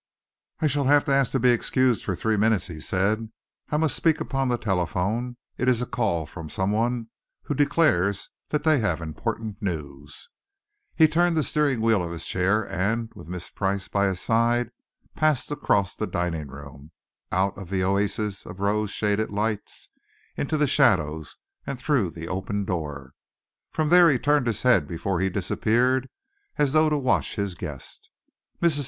"I shall have to ask to be excused for three minutes," he said. "I must speak upon the telephone. It is a call from some one who declares that they have important news." He turned the steering wheel of his chair, and with Miss Price by his side passed across the dining room, out of the Oasis of rose shaded lights into the shadows, and through the open door. From there he turned his head before he disappeared, as though to watch his guest. Mrs.